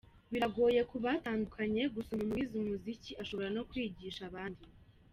Biragoye kubatandukanye gusa umuntu wize umuziki, ashobora no kuwigisha abandi.